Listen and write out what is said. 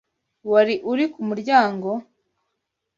Wari uri ku muryango?